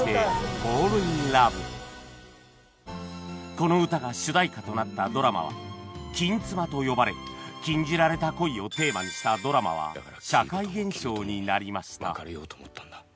この歌が主題歌となったドラマは「金妻」と呼ばれ禁じられた恋をテーマにしたドラマは社会現象になりました